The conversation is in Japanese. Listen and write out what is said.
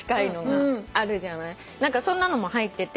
そんなのも入ってて。